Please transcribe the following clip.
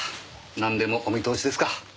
なんでもお見通しですか。